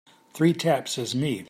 Three taps is me.